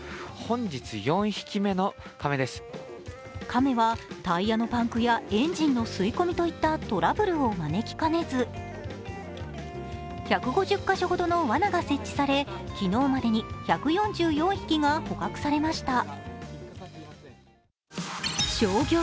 亀はタイヤのパンクやエンジンの吸い込みといったトラブルを招きかねず１５０カ所ほどのわなが設置され、昨日までに１４４匹が捕獲されました。